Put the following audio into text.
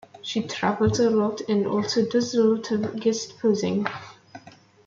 She travels a lot and also does a lot of guest posing.